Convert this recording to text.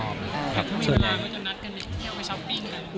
มีบ้างว่าจะนัดกันเด็กที่เที่ยวไปช้อปปิ้งกัน